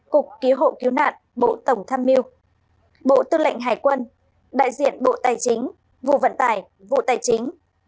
cục cứu hộ cứu nạn bộ tổng tham mưu bộ tư lệnh hải quân đại diện bộ tài chính vụ vận tải vụ tài chính